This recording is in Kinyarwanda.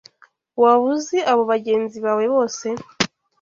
Waba uzi abo bagenzi bawe bose?